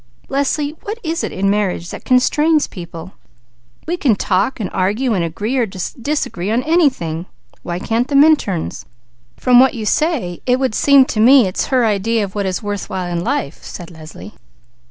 Leslie, what is it in marriage that constrains people? We can talk, argue and agree or disagree on anything, why can't the Minturns?" "From what you say, it would seem to me it's her idea of what is worth while in life," said Leslie.